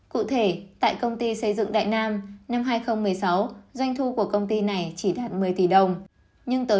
cụ thể tại công ty xây dựng đại nam năm hai nghìn một mươi sáu doanh thu của công ty này chỉ đạt một mươi tỷ đồng nhưng tới